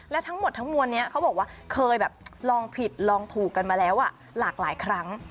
และทั้งหมดทั้งมวลนี้เขาบอกว่าเคยแบบลองผิดลองถูกกันมาแล้วหลากหลายครั้ง